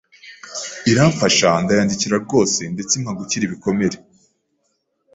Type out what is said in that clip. iramfasha ndiyakira rwose ndetse impa gukira ibikomere